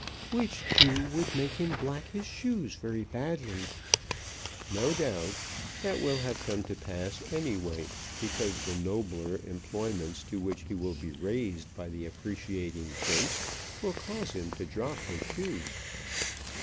"Which, too, would make him black his shoes very badly." "No doubt. That will have to come to pass any way, because the nobler employments to which he will be raised by the appreciating prince will cause him to drop his shoes."